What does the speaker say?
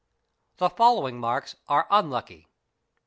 The following marks are wnlucky.